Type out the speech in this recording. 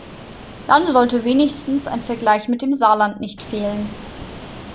Dann sollte wenigstens ein Vergleich mit dem Saarland nicht fehlen.